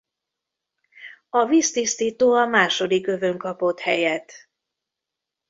A víztisztító a második övön kapott helyet.